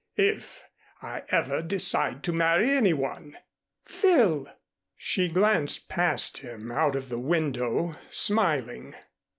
"If I ever decide to marry any one." "Phil!" She glanced past him out of the window, smiling.